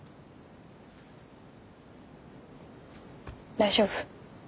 大丈夫？